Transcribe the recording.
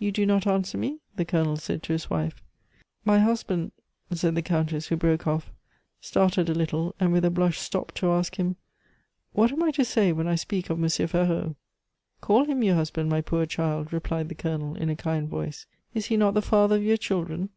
"You do not answer me?" the Colonel said to his wife. "My husband " said the Countess, who broke off, started a little, and with a blush stopped to ask him, "What am I to say when I speak of M. Ferraud?" "Call him your husband, my poor child," replied the Colonel, in a kind voice. "Is he not the father of your children?"